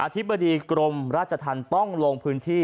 ธิบดีกรมราชธรรมต้องลงพื้นที่